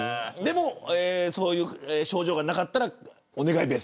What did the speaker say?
でもそういう症状がなかったらお願いベース。